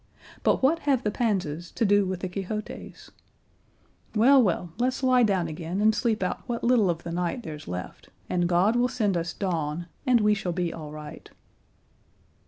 But what have the Panzas to do with the Quixotes? Well, well, let's lie down again and sleep out what little of the night there's left, and God will send us dawn and we shall be all right."